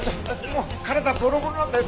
もう体ボロボロなんだよ。